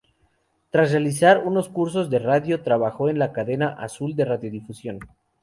Tras realizar unos cursos de radio, trabajó en la Cadena Azul de Radiodifusión.